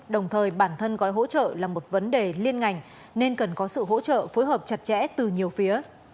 đồng thời bản thân gói hỗ trợ là một vấn đề liên ngành nên cần có sự hỗ trợ phối hợp chặt chẽ từ nhiều phía